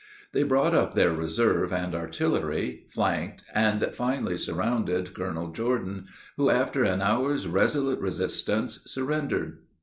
They brought up their reserve and artillery, flanked, and finally surrounded Colonel Jordan, who, after an hour's resolute resistance, surrendered.